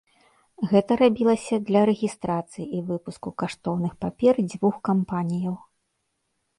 Гэта рабілася для рэгістрацыі і выпуску каштоўных папер дзвюх кампаніяў.